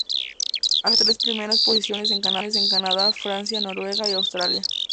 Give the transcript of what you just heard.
Alcanzó las tres primeras posiciones en Canadá, Francia, Noruega y Australia.